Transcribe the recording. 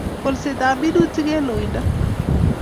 kolsetap minutik eng loindo